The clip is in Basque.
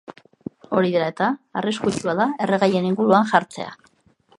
Hori dela eta, arriskutsua da erregaien inguruan jartzea.